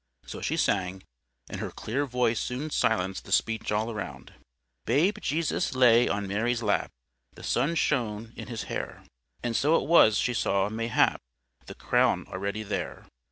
So she sang, and her clear voice soon silenced the speech all round. "Babe Jesus lay on Mary's lap; The sun shone in His hair: And so it was she saw, mayhap, The crown already there.